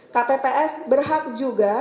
kpps berhak juga